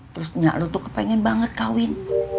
terus niat lo tuh kepengen banget kawin